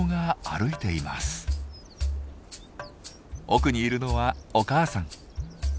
奥にいるのはお母さん。